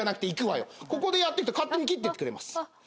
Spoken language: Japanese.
ここでやってくと勝手に切ってってくれます。